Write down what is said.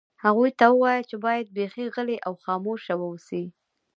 هغوی ته ووایه چې باید بیخي غلي او خاموشه واوسي